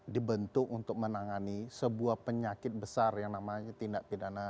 dibentuk untuk menangani sebuah penyakit besar yang namanya tindak pidana